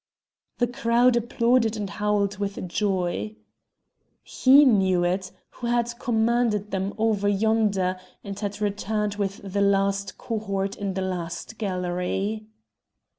The crowd applauded and howled with joy. He knew it, he who had commanded them over yonder, and had returned with the last cohort in the last galley!